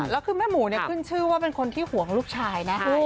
แล้วคือแม่หมูเนี่ยขึ้นชื่อว่าเป็นคนที่ห่วงลูกชายนะ